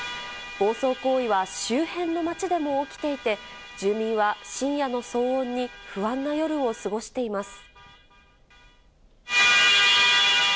暴走行為は周辺の町でも起きていて、住民は深夜の騒音に不安な夜を過ごしています。